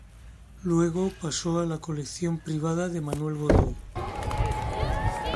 Luego pasó a la colección privada de Manuel Godoy.